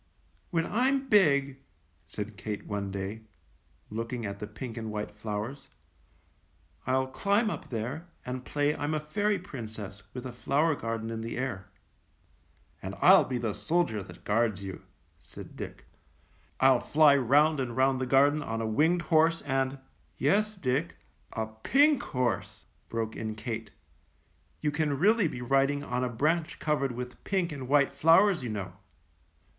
"When I'm big," said Kate one day, look ing at the pink and white flowers, "I'U climb up there and play I'm a fairy princess with a flower garden in the air." "And I'll be the soldier that guards you," said Dick. "I'll fly round and round the garden on a winged horse and —" "Yes, Dick, a pink horse," broke in Kate, "you can really be riding on a branch covered with pink and white flowers, you know."